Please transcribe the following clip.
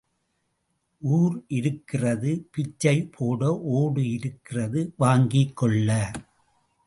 ஊர் இருக்கிறது பிச்சை போட ஓடு இருக்கிறது வாங்கிக் கொள்ள.